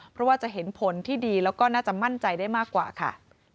เพราะว่าจะเห็นผลที่ดีแล้วก็น่าจะมั่นใจได้มากกว่าค่ะ